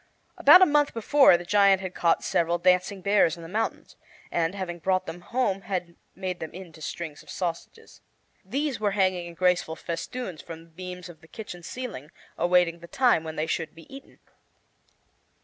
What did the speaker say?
About a month before the giant had caught several dancing bears in the mountains, and, having brought them home, had made them into strings of sausages. These were hanging in graceful festoons from the beams of the kitchen ceiling, awaiting the time when they should be eaten.